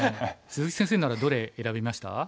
鈴木先生ならどれ選びました？